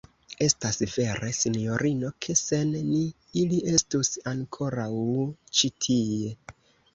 Estas vere, sinjorino, ke, sen ni, ili estus ankoraŭ ĉi tie.